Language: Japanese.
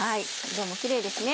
色もキレイですね。